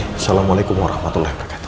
assalamualaikum warahmatullahi wabarakatuh